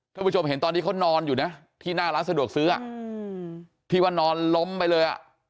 ท่านผู้ชมเห็นตอนที่เขานอนอยู่นะที่หน้าร้านสะดวกซื้อที่ว่านอนล้มไปเลย